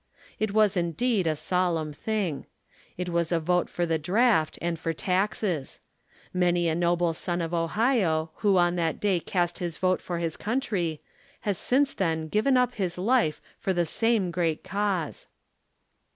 It was indeed a solemn thing. It was a vote for the draft and for taxes. Manj^ a noble son of Ohio, who on that day cast his vote for his country, has since then given up his life for the same great cause.